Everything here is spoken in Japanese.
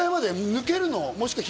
抜けるの？